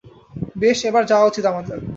বেশ, এবার যাওয়া উচিত আমাদের।